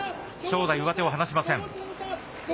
正代、上手を離しません。